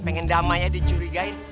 pengen damai aneh dicurigain